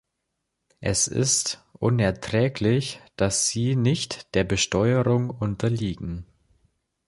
Es ist unerträglich, dass sie nicht der Besteuerung unterliegen.